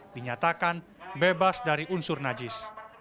dinyatakan bebas dari unsur najis